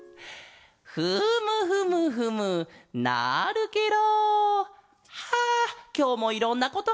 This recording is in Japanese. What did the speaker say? フムフムフムなるケロ！はあきょうもいろんなことがしれた。